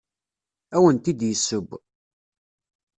Ad awent-d-yesseww.